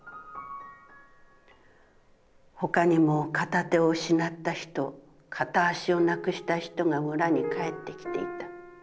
他にも片手を失った人、片足を無くした人が村に帰って来ていた。